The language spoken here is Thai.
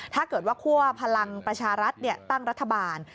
ถ้าเกิดว่าคั่วพลังประชารัฐตั้งรัฐบาล